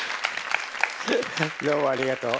どうもありがとう。